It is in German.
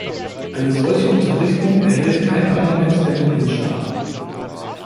Eine solche Unterrichtung erhält kein Parlament der Mitgliedstaaten.